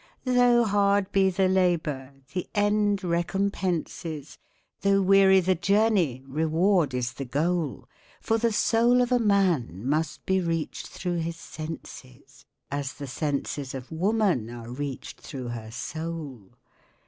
Though hard be the labour, the end recompenses Though weary the journey, reward is the goal. For the soul of a man must be reached through his senses, As the senses of woman are reached through her soul.